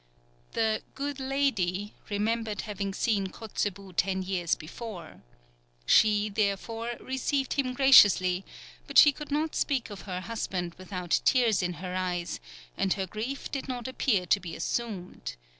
The "good lady" remembered having seen Kotzebue ten years before. She, therefore, received him graciously, but she could not speak of her husband without tears in her eyes, and her grief did not appear to be assumed.